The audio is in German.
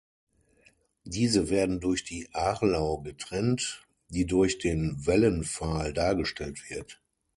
Diese werden durch die Arlau getrennt, die durch den Wellenpfahl dargestellt wird.